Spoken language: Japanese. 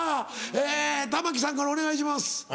え玉木さんからお願いします。